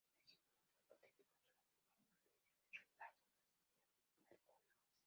Un ejemplo típico son las memorias de línea de retardo de mercurio.